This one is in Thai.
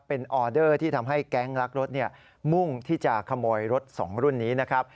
เป็นออเดอร์ที่ทำให้แก๊งลักรถมุ่งที่จะขโมยรถสองรุ่นนี้นะครับ